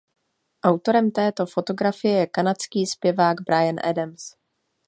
Autorem této fotografie je kanadský zpěvák Bryan Adams.